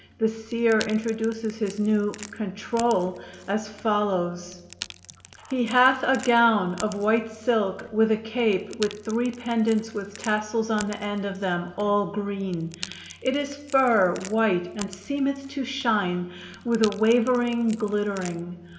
The seer introduces his new "control" as follows: He hath a Gown of white silk, with a Cape with three pendants with tassels on the end of them all green; it is fur, white, and seemeth to shine, with a wavering glittering.